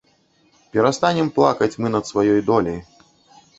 Перастанем плакаць мы над сваёй доляй!